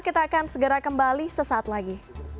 kita akan segera kembali sesaat lagi